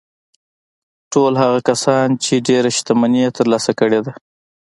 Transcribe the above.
ټول هغه کسان چې ډېره شتمني يې ترلاسه کړې ده.